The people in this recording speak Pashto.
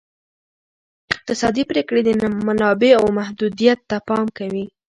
اقتصادي پریکړې د منابعو محدودیت ته پام کوي.